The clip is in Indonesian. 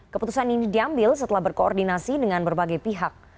keputusan ini diambil setelah berkoordinasi dengan berbagai pihak